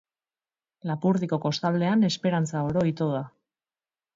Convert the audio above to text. Lapurdiko kostaldean esperantza oro ito da.